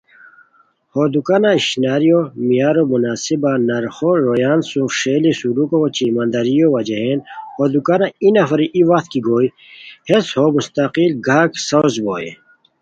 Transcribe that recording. ہو دوکانو اشناریان معیارو مناسب نرخو، رویان سُم ݰیلی سلُوکو اوچے ایمانداریو وجہین ہو دوکانہ ای نفری ای وخت کی گوئے، ہسے ہو مستقل گاہک ساؤز بوئے